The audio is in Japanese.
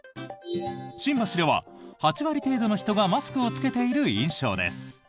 新橋では８割程度の人がマスクを着けている印象です。